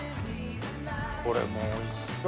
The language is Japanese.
これもおいしそう！